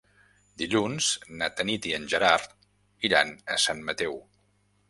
Dilluns na Tanit i en Gerard iran a Sant Mateu.